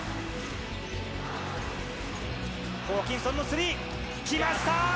ホーキンソンのスリー、きました。